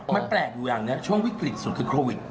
มันแปลกอยู่อย่างนะช่วงวิกฤตสุดคือโควิด